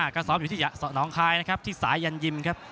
ก็ซ้อมอยู่ที่น้องคายนะครับที่สายยันยิมครับ